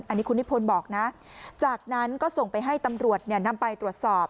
อันนี้คุณนิพนธ์บอกนะจากนั้นก็ส่งไปให้ตำรวจนำไปตรวจสอบ